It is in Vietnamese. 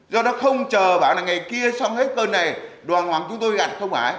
do đó không chờ bảo là ngày kia xong hết cơn này đoàn hoàng chúng tôi gặt không hải